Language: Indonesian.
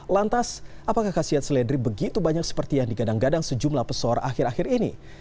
lantas apakah khasiat seledri begitu banyak seperti yang digadang gadang sejumlah pesor akhir akhir ini